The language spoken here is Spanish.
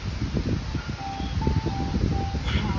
En los setenta, publicó su primer libro.